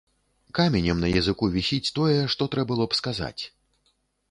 Каменем на языку вісіць тое, што трэ было б сказаць.